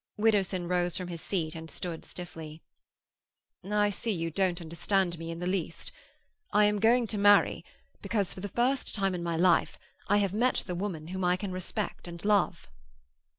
Widdowson rose from his seat and stood stiffly. "I see you don't understand me in the least. I am going to marry because, for the first time in my life, I have met the woman whom I can respect and love."